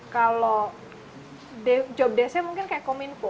kalau jobdesknya mungkin kayak kominfo